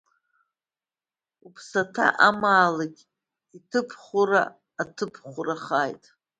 Уԥсаҭа амаалықь иҭыԥхәра аҭыԥхәрахааит.